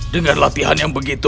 dengan latihan yang begitu